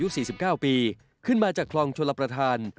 อยู่มากกว่ายุด๔๙ปีขึ้นมาจากคลองชลประธาน